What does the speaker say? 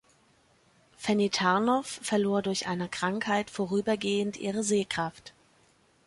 Fanny Tarnow verlor durch eine Krankheit vorübergehend ihre Sehkraft.